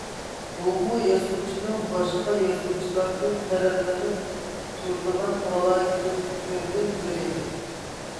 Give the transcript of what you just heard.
بۇمۇ يازغۇچىنىڭ باشقا يازغۇچىلاردىن پەرقلىنىپ، تۇرىدىغان ئالاھىدىلىكلىرىدىن بىرى.